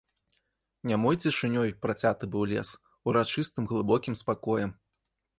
Нямой цішынёй працяты быў лес, урачыстым глыбокім спакоем.